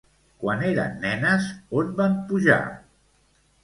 Quan eren nenes, on van pujar?